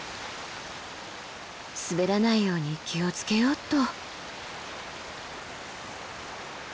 滑らないように気を付けようっと。